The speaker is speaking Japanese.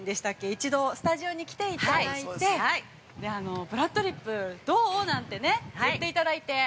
一度スタジオに来ていただいて、「ぷらっとりっぷ」どう？なんてね、言っていただいて。